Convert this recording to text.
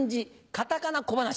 カタカナ小噺」。